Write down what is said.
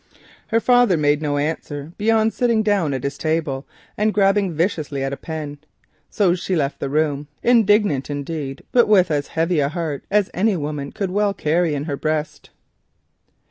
Her father made no answer beyond sitting down at his table and grabbing viciously at a pen. So she left the room, indignant, indeed, but with as heavy a heart as any woman could carry in her breast.